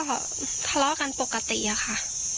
ก็ทะเลาะกันปกติอะค่ะ